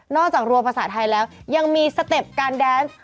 จากรัวภาษาไทยแล้วยังมีสเต็ปการแดนส์